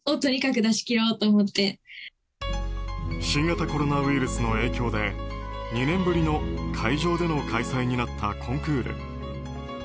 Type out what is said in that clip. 新型コロナウイルスの影響で２年ぶりの会場での開催になったコンクール。